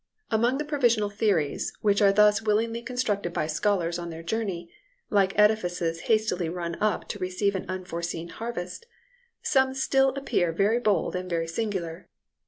Among the provisional theories which are thus willingly constructed by scholars on their journey, like edifices hastily run up to receive an unforeseen harvest, some still appear very bold and very singular.